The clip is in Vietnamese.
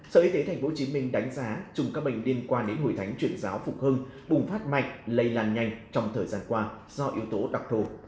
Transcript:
sở y tế tp hcm đánh giá chung các bệnh liên quan đến hồi thánh truyền giáo phục hưng bùng phát mạnh lây làn nhanh trong thời gian qua do yếu tố độc thổ